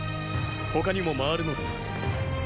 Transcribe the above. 他にも回るのでな。